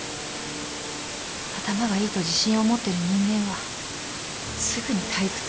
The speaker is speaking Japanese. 頭がいいと自信を持ってる人間はすぐに退屈する。